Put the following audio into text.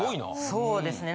そうですね。